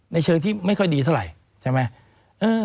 เชิงที่ไม่ค่อยดีเท่าไหร่ใช่ไหม